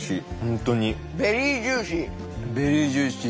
ベリージューシー。